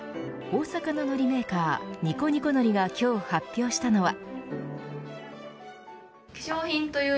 大阪の、のりメーカーニコニコのりが今日発表したのは。